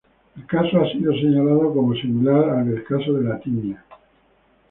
El caso ha sido señalado como similar al del Caso de la tiña.